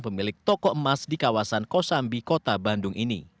pemilik toko emas di kawasan kosambi kota bandung ini